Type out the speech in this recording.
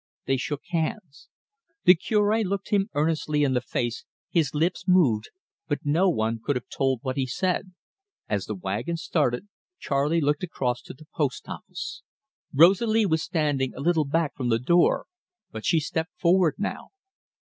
They shook hands. The Cure looked him earnestly in the face, his lips moved, but no one could have told what he said. As the wagon started, Charley looked across to the post office. Rosalie was standing a little back from the door, but she stepped forward now.